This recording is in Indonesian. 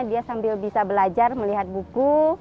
dia sambil bisa belajar melihat buku